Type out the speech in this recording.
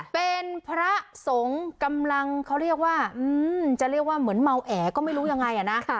เป็นพระสงฆ์กำลังเขาเรียกว่าจะเรียกว่าเหมือนเมาแอก็ไม่รู้ยังไงนะ